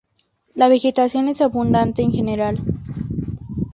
La vegetación es abundante en general.